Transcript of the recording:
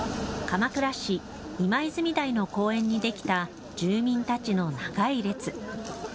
鎌倉市今泉台の公園に出来た住民たちの長い列。